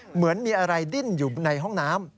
เหมือนมีอะไรดิ้นอยู่ในห้องน้ำ